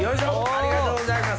ありがとうございます。